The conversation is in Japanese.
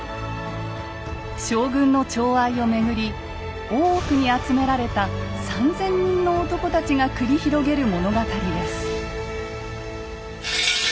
将軍の寵愛をめぐり大奥に集められた３，０００人の男たちが繰り広げる物語です。